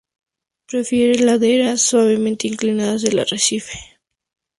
Prefiere laderas suavemente inclinadas del arrecife.